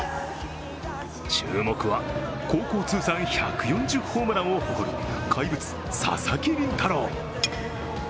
注目は高校通算１４０ホームランを誇る、怪物・佐々木麟太郎。